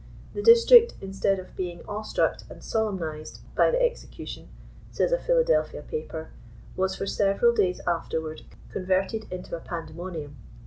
«*The district, instead of being awe struck and solemnized" by the execution, says a Philadelphia paper, "was for several days afterward converted into a pande monium.